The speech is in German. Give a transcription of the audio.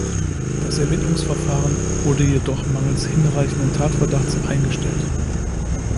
Das Ermittlungsverfahren wurde jedoch mangels hinreichenden Tatverdachts eingestellt.